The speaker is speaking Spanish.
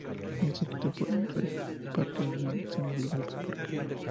El guion está escrito por Trey Parker y Matt Stone, y dirigido por Parker.